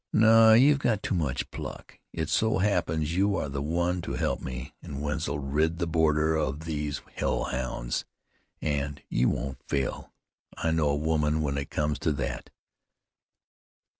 "No; you've got too much pluck. It so happens you are the one to help me an' Wetzel rid the border of these hell hounds, an' you won't fail. I know a woman when it comes to that."